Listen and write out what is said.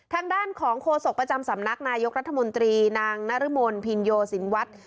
ทางด้านของโฆษกประจำสำนักนายกรัฐมนตรีนางนรมนพินโยสินวัฒน์